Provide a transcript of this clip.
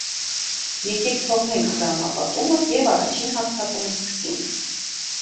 Եկէ՛ք թողնենք խրամապատումը եւ առաջին յարձակումը սկսինք։